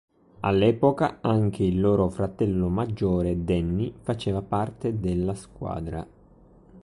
All'epoca, anche il loro fratello maggiore Danny faceva parte della squadra.